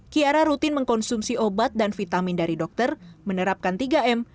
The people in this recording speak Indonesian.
kiara rutin mengkonsumsi obat dan vitamin dari dokter menerapkan tiga m